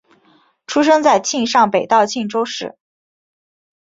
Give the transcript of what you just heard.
出生在庆尚北道庆州市。